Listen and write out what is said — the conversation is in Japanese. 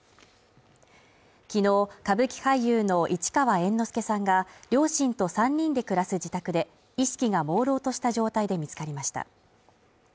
昨日、歌舞伎俳優の市川猿之助さんが両親と３人で暮らす自宅で意識がもうろうとした状態で見つかりました。